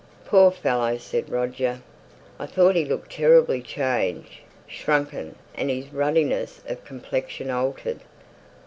"Poor fellow!" said Roger; "I thought he looked terribly changed: shrunken, and his ruddiness of complexion altered."